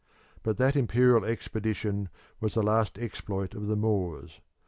But that imperial expedition was the last exploit of the Moors.